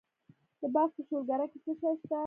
د بلخ په شولګره کې څه شی شته؟